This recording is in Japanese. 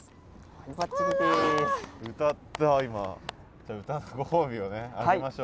じゃあ歌のご褒美をあげましょう。